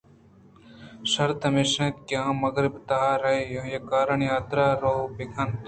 شرط ہمیش اَت کہ آ مغرب تہا ر ءَآئی ءِ کارانی حاترا روآ بہ کنت